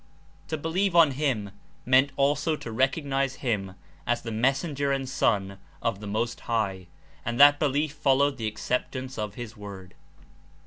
To believe on him meant also to recognize him as the Messenger and Son of the Most High, and that belief followed the acceptance of his Word.